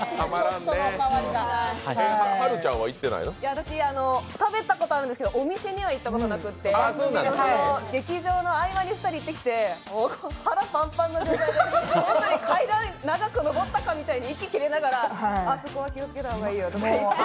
私、食べたことあるんですけど、お店には行ったことなくて劇場の合間に２人行ってきて腹パンパンで帰ってきて本当に階段、長くのぼったかみたいに息切れながらあそこは気をつけた方がいいよとか言って。